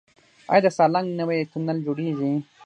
آیا د سالنګ نوی تونل جوړیږي؟